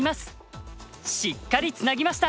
しっかりツナぎました。